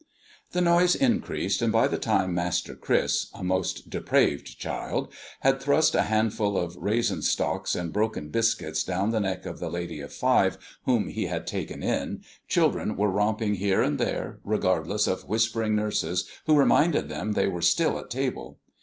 The noise increased, and by the time Master Chris a most depraved child had thrust a handful of raisin stalks and broken biscuits down the neck of the lady of five whom he had taken in, children were romping here and there, regardless of whispering nurses who reminded them they were still at table.